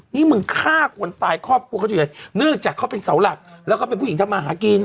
นี่มึงฆ่าคนตายครอบครัวเขาจะยังไงเนื่องจากเขาเป็นเสาหลักแล้วก็เป็นผู้หญิงทำมาหากิน